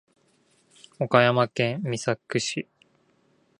岡山県美作市